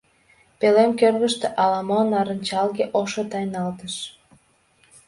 Пӧлем кӧргыштӧ ала-мо нарынчалге-ошо тайналтыш.